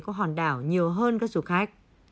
của hòn đảo nhiều hơn các du khách